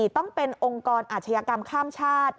ต้องเป็นองค์กรอาชญากรรมข้ามชาติ